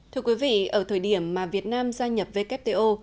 thưa quý vị ở thời điểm mà việt nam gia nhập wto